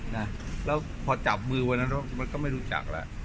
นะแล้วปอทจับมือวันที่น้องมันก็ไม่ได้รู้จักแล้ว